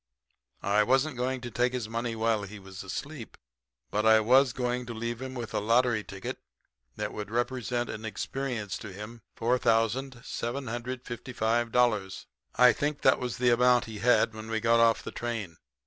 I wasn't going to take his money while he was asleep, but I was going to leave him with a lottery ticket that would represent in experience to him $4,755 I think that was the amount he had when we got off the train.